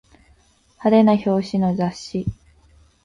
派手な表紙の雑誌